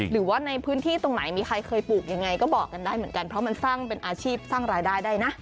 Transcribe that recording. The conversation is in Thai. หรือว่าในพื้นที่ตรงไหนมีใครเคยปลูกยังไงก็บอกกันได้เหมือนกันเพราะมันสร้างเป็นอาชีพสร้างรายได้ได้นะ